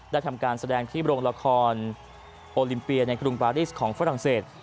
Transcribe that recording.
ทำการแสดงที่โรงละครโอลิมเปียในกรุงปารีสของฝรั่งเศส